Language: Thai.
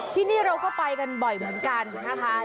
ที่นี่เราก็ไปกันบ่อยเหมือนกันนะคะ